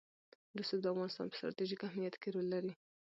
رسوب د افغانستان په ستراتیژیک اهمیت کې رول لري.